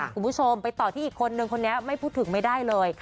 คุณผู้ชมไปต่อที่อีกคนนึงคนนี้ไม่พูดถึงไม่ได้เลย